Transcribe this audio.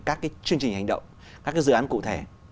các chương trình hành động các dự án cụ thể